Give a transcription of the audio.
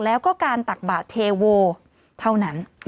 แล้วก็การตักบาทเทโวเท่านั้น